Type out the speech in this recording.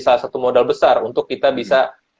salah satu modal besar untuk kita bisa